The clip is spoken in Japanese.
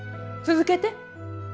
続けて。